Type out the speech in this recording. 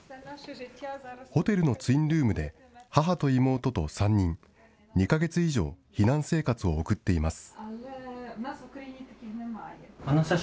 ホテルのツインルームで、母と妹と３人、２か月以上、避難生活を送っています。